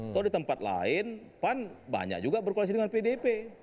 atau di tempat lain pan banyak juga berkoalisi dengan pdip